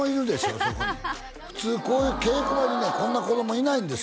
あそこに普通こういう稽古場にねこんな子供いないんですよ